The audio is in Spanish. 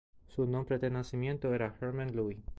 Su nombre de nacimiento era Hermann Lewy.